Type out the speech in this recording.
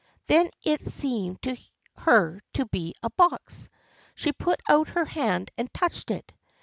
Then it seemed to her to be a box. She put out her hand and touched it.